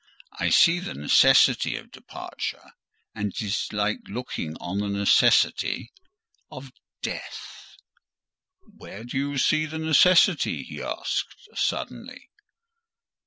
I see the necessity of departure; and it is like looking on the necessity of death." "Where do you see the necessity?" he asked suddenly.